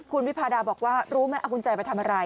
คุณวิพาดาบอกว่ารู้ไหมเอากุญแจไปทำอะไร